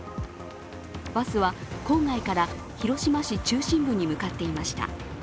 バスは郊外から広島市中心部に向かっていました。